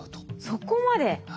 そこまで。